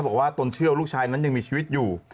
ตนเชื่อว่าลูกชายนั้นยังมีชีวิตอยู่